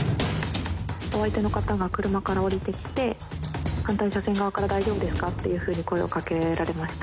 お相手の方が車から降りてきて反対車線側から大丈夫ですかと声をかけられました。